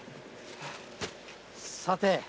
さて。